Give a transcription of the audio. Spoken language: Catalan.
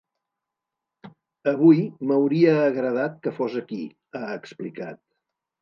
Avui m’hauria agradat que fos aquí, ha explicat.